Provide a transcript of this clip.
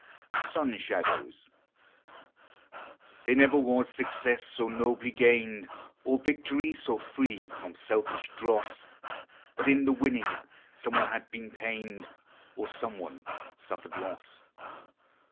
SUN SHADOWS There never was success so nobly gained, Or victory so free from selfish dross, But in the winning some one had been pained Or some one suffered loss.